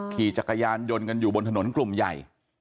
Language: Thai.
ขี่จักรยานยนต์กันอยู่บนถนนกลุ่มใหญ่